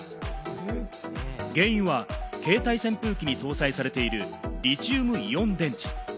原因は携帯扇風機に搭載されているリチウムイオン電池。